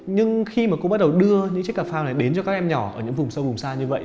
nhưng khi mà cô bắt đầu đưa những chiếc cà phang này đến cho các em nhỏ ở những vùng sâu vùng xa như vậy